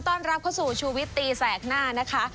ต้อนรับเข้าสู่ชูวิตตีแสกหน้านะคะ